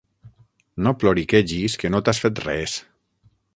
No ploriquegis que no t'has fet res!